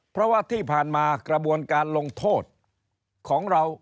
เพราะว่าที่ผ่านมากระบวนการลงโทษของเรา